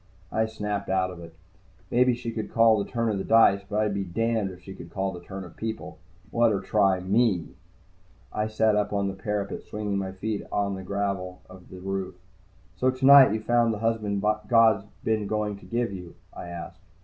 I snapped out of it. Maybe she could call the turn of dice. But I'd be damned if she could call the turn of people. Let her try me. I sat up on the parapet, swinging to put my feet on the gravel of the root. "So tonight you found the husband God's been going to give you?" I asked.